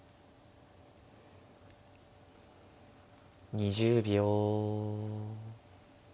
２０秒。